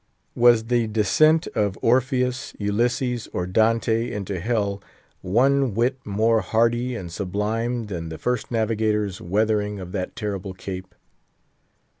Was the descent of Orpheus, Ulysses, or Dante into Hell, one whit more hardy and sublime than the first navigator's weathering of that terrible Cape?